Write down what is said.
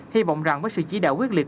hy vọng rằng với sự chỉ đạo quyết liệt